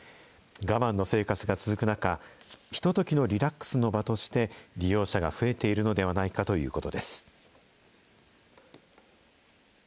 我慢の生活が続く中、ひとときのリラックスの場として利用者が増えているのではないかということです。